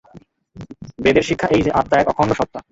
বেদের শিক্ষা এই যে, আত্মা এক অখণ্ড সত্তা।